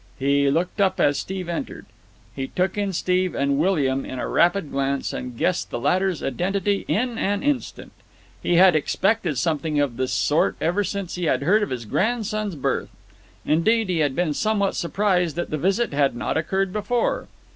He looked up as Steve entered. He took in Steve and William in a rapid glance and guessed the latter's identity in an instant. He had expected something of this sort ever since he had heard of his grandson's birth. Indeed, he had been somewhat surprised that the visit had not occurred before.